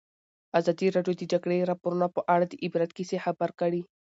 ازادي راډیو د د جګړې راپورونه په اړه د عبرت کیسې خبر کړي.